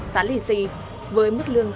giá lì xì với mức lương hợp